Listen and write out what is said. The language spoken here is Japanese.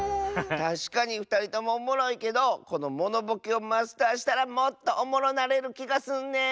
たしかにふたりともおもろいけどこのモノボケをマスターしたらもっとおもろなれるきがすんねん！